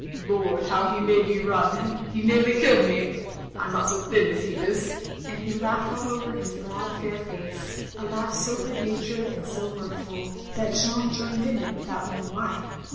"Lord, how he made me run — he nearly killed me. I 'm not so thin as he is," and he laughed aU over his broad fair face; a laugh so good natured and so mirthful that Jeanne joined in it without knowing why.